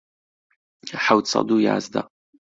حەوت سەد و یازدە